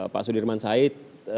pak sudirman said